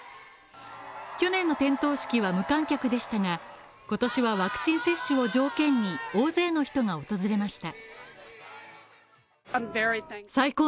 去年の点灯式は無観客でしたが、今年はワクチン接種を条件に、大勢の人が訪れました。